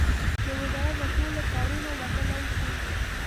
د وزارت له ټولو کارونو وتلای شي.